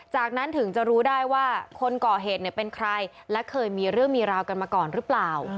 จากนั้นถึงจะรู้ได้ว่าคนก่อเหตุเนี่ยเป็นใครและเคยมีเรื่องมีราวกันมาก่อนหรือเปล่า